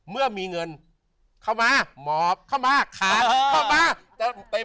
เมื่อมีเงินเข้ามาหมอบเข้ามาขาดเข้ามาจะเต็ม